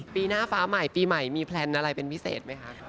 ปีหน้าฟ้าใหม่ปีใหม่มีแพลนอะไรเป็นพิเศษไหมคะ